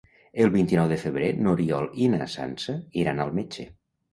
El vint-i-nou de febrer n'Oriol i na Sança iran al metge.